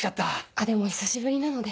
あっでも久しぶりなので。